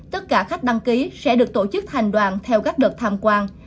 tất cả khách đăng ký sẽ được tổ chức thành đoàn theo các đợt tham quan